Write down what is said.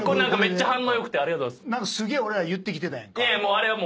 何かすげえ俺ら言ってきてたやんか。